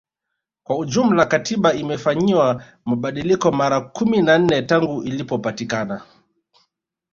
Kwa ujumla Katiba imefanyiwa mabadiliko mara kumi na nne tangu ilipopatikana